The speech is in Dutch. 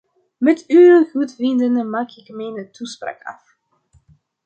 Met uw goedvinden maak ik mijn toespraak af.